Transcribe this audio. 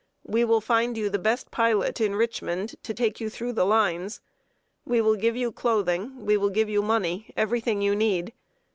We will find you the best pilot in Richmond to take you through the lines. We will give you clothing, we will give you money every thing you need.